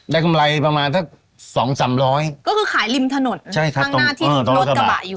กำไรประมาณสักสองสามร้อยก็คือขายริมถนนใช่ครับข้างหน้าที่รถกระบะอยู่